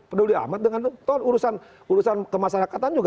peduli amat dengan urusan kemasyarakatan juga